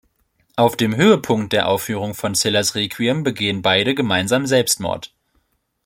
Auf dem Höhepunkt der Aufführung von Zillers Requiem begehen beide gemeinsam Selbstmord.